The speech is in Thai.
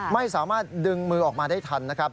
ไม่สามารถดึงมือออกมาได้ทันนะครับ